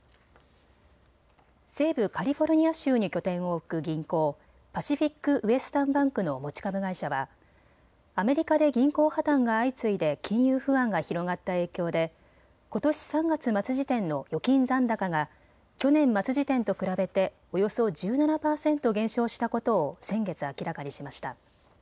西部カリフォルニア州に拠点を置く銀行、パシフィック・ウエスタン・バンクの持ち株会社はアメリカで銀行破綻が相次いで金融不安が広がった影響でことし３月末時点の預金残高が去年末時点と比べておよそ１７％減少したことを先月明らかにしました。